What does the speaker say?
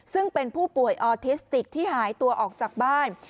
ซึ่งเป็นผู้ป่วยออทิสติกที่หายตัวออกจากบ้าน